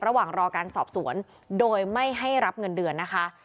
ระหว่างรอการสอบสวนโดยไม่ให้รับเงินเดือนนะคะ